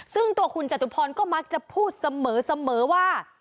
ซึ่งตัวคุณจตุพรก็มักจะพูดเสมอว่า